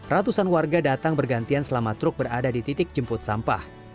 ratusan warga datang bergantian selama truk berada di titik jemput sampah